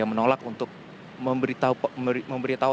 menolak untuk memberitahu